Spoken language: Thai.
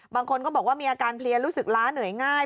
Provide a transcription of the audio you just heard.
บางคนก็บอกว่ามีอาการเพลียรู้สึกล้าเหนื่อยง่าย